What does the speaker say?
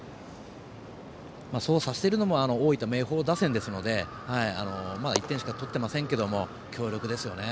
そうさせているのも大分・明豊打線ですのでまだ１点しか取っていませんけど強力ですよね。